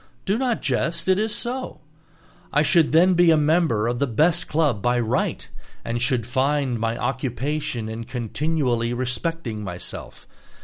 Do not jest, it is so. I should then be a member of the best club by right, and should find my occupation in continually respecting myself.